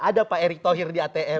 ada pak erick thohir di atm